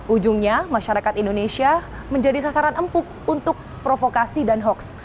ujungnya masyarakat indonesia menjadi sasaran empuk untuk provokasi dan hoaks